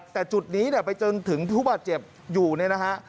แต่จุดนี้ไปจนถึงธุบัตรเจ็บอยู่เนี่ยนะฮะ